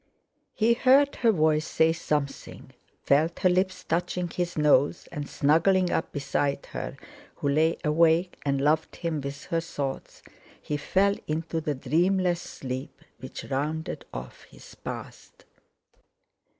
He heard her voice say something, felt her lips touching his nose, and, snuggling up beside her who lay awake and loved him with her thoughts, he fell into the dreamless sleep, which rounded off his past.